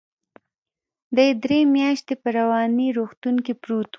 دى درې مياشتې په رواني روغتون کې پروت و.